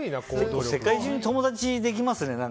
世界中に友達ができますね。